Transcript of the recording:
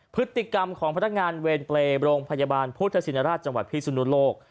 พฤติกรรมของพนักงานเวรเปรย์โรงพยาบาลพุทธชินราชจังหวัดพิสุนุโลก